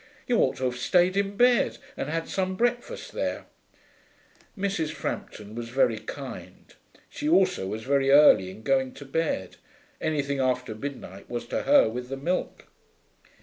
You ought to have stayed in bed and had some breakfast there.' Mrs. Frampton was very kind. She also was very early in going to bed: anything after midnight was to her with the milk.